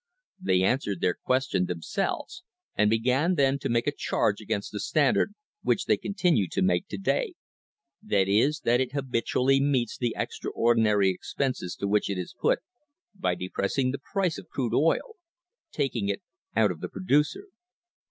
They answered their question themselves, and began then to make a charge against the Standard, which they continue to make to day; that is, that it habitually meets the extraordinary ex penses to which it is put by depressing the price of crude oil — "taking it out of the producer."